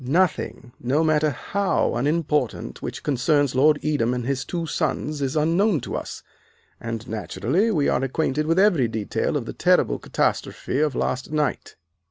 Nothing, no matter how unimportant, which concerns Lord Edam and his two sons is unknown to us, and naturally we are acquainted with every detail of the terrible catastrophe of last night."